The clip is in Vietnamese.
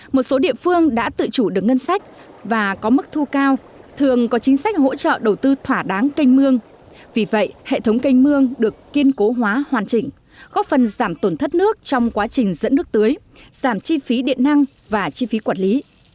một số địa phương đã tự chủ được ngân sách và có mức thu cao thường có chính sách hỗ trợ đầu tư thỏa đáng canh mương vì vậy hệ thống canh mương được kiên cố hóa hoàn chỉnh góp phần giảm tổn thất nước trong quá trình dẫn nước tưới giảm chi phí điện năng và chi phí quản lý